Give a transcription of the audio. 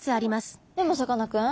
でもさかなクン